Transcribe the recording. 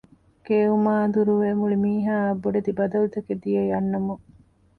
ކެއުމާއި ދުރުވެ މުޅި މީހާ އަށް ބޮޑެތި ބަދަލުތަކެއް ދިޔައީ އަންނަމުން